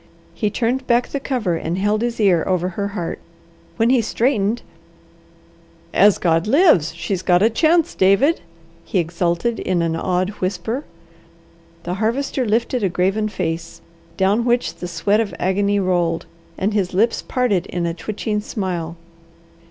He turned back the cover, and held his ear over her heart. When he straightened, "As God lives, she's got a chance, David!" he exulted in an awed whisper. The Harvester lifted a graven face, down which the sweat of agony rolled, and his lips parted in a twitching smile.